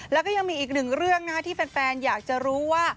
แล้วก็ยังมีอีกหนึ่งเรื่องที่แฟนอยากจะรู้ว่า